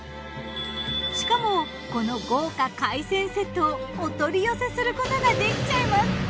しかもこの豪華海鮮セットをお取り寄せすることができちゃいます！